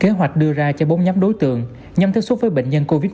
kế hoạch đưa ra cho bốn nhóm đối tượng nhằm thất xuất với bệnh nhân covid một mươi chín